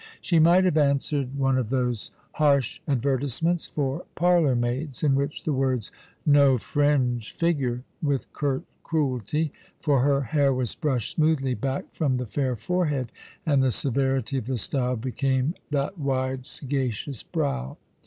She might have answered one of those harsh advertisements for parlour maids, in which the words, "No fringe," figure with curt ci'uelty; for her hair was brushed smoothly back from the fair forehead, and the severity of the style became that wide sagacious brow.